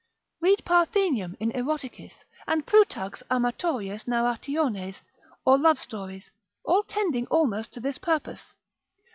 Read Parthenium in Eroticis, and Plutarch's amatorias narrationes, or love stories, all tending almost to this purpose.